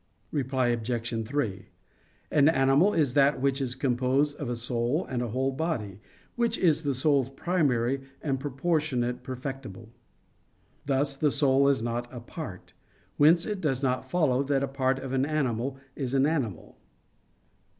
Reply Obj. 3: An animal is that which is composed of a soul and a whole body, which is the soul's primary and proportionate perfectible. Thus the soul is not in a part. Whence it does not follow that a part of an animal is an animal.